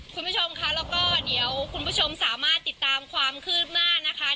คุณผู้ชมค่ะแล้วก็เดี๋ยวคุณผู้ชมสามารถติดตามความคืบหน้านะคะ